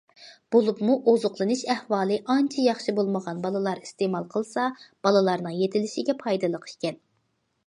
بولۇپمۇ ئوزۇقلىنىش ئەھۋالى ئانچە ياخشى بولمىغان بالىلار ئىستېمال قىلسا، بالىلارنىڭ يېتىلىشىگە پايدىلىق ئىكەن.